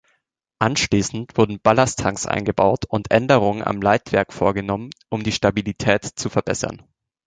Anschließend wurden Ballasttanks eingebaut und Änderungen am Leitwerk vorgenommen, um die Stabilität zu verbessern.